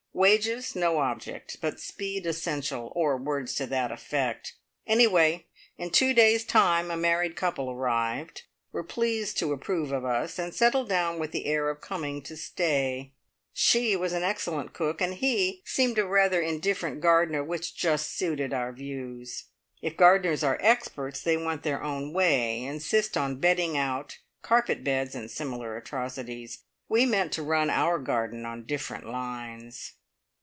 Wages no object, but speed essential, or words to that effect. Anyway, in two days' time a married couple arrived, were pleased to approve of us, and settled down with the air of coming to stay. She was an excellent cook, and he seemed a rather indifferent gardener, which just suited our views. If gardeners are experts they want their own way, insist on bedding out, carpet beds, and similar atrocities. We meant to run our garden on different lines!